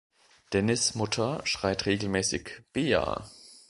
Dennis Mutter schreit regelmäßig; Bea!